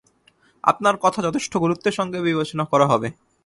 আপনার কথা যথেষ্ট গুরুত্বের সঙ্গে বিবেচনা করা হবে।